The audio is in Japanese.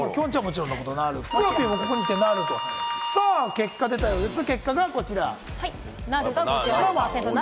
結果出たようです、こちら。